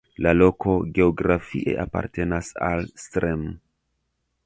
La loko geografie apartenas al Srem.